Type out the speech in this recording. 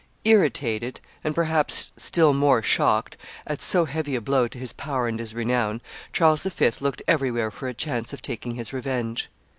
Irritated, and, perhaps, still more shocked, at so heavy a blow to his power and his renown, Charles V. looked everywhere for a chance of taking his revenge.